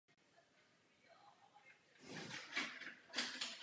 Mezi ně se vkládají izolační desky.